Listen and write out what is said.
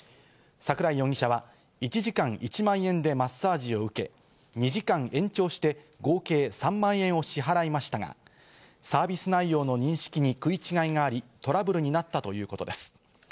桜井容疑者は１時間１万円でマッサージを受け、２時間延長して、合計３万円を支払いましたが、サービス内容の認識に食い違いがあり、トラブルになったということです。